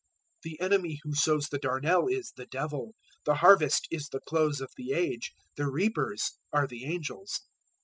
013:039 The enemy who sows the darnel is *the Devil*; the harvest is the Close of the Age; the reapers are the angels.